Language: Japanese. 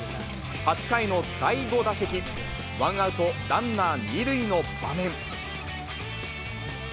８回の第５打席、ワンアウトランナー２塁の場面。